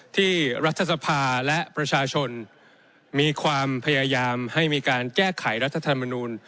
ที่รัฐสภาและประชาชนมีความพยายามให้มีการแก้ไขรัฐธรรมนูล